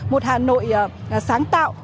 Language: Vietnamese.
một hà nội sáng tạo